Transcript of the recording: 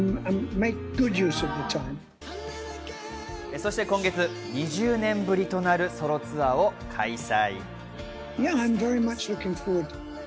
そして今月、２０年ぶりとなるソロツアーを開催。